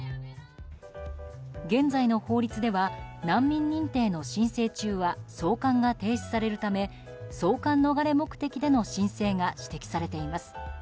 現在の法律では難民認定の申請中は送還が停止されるため送還逃れ目的での申請が指摘されています。